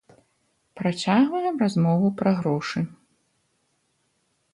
Працягваем размову пра грошы.